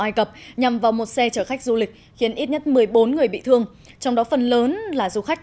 ai cập nhằm vào một xe chở khách du lịch khiến ít nhất một mươi bốn người bị thương trong đó phần lớn là du khách